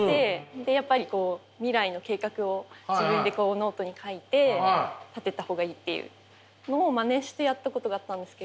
でやっぱり未来の計画を自分でノートに書いて立てた方がいいっていうのをまねしてやったことがあったんですけど。